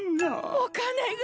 お金が。